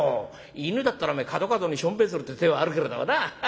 犬だったら角々にしょんべんするって手はあるけれどもなアハハ。